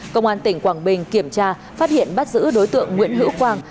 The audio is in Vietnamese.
công an tỉnh quảng bình kiểm tra phát hiện bắt giữ đối tượng nguyễn hữu quang